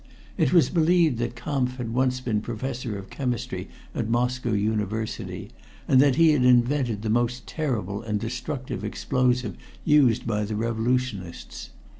It was believed that Kampf had once been professor of chemistry at Moscow University, and that he had invented that most terrible and destructive explosive used by the revolutionists.